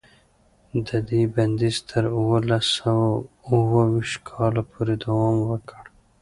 د دې بندیز تر اوولس سوه اوه ویشت کاله پورې دوام وکړ.